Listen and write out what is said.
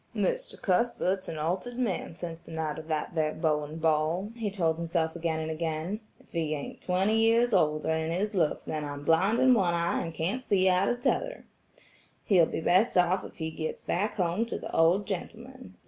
"Mr. Cuthbert's an altered man sense the night of that there Bowen ball," he told himself again and again, "if he ain't twenty years older in his looks then I'm blind in one eye and can't see out of 'tother. He'll be best off if he gets back home to the old gentleman.